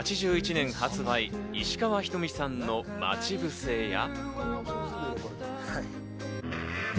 ８１年発売、石川ひとみさんの『まちぶせ』や。